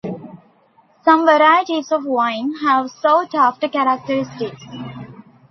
Some varieties of wine have sought after characteristics.